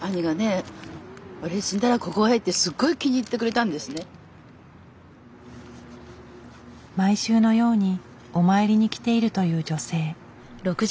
ちょうどね毎週のようにお参りに来ているという女性。